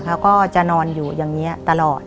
เขาก็จะนอนอยู่อย่างนี้ตลอด